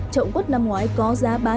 trộn quất năm ngoái có giá cao hơn hai mươi